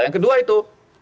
yang kedua itu